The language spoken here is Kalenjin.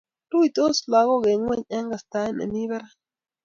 Ruitos lagok eng ngwony eng kastaet ne mi barak